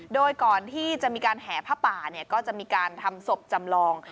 โดยก่อนที่จะมีการแห่ผ้าป่าเนี่ยก็จะมีการทำศพจำลอง